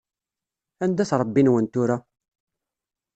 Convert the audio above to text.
Anda-t Ṛebbi-nwen tura?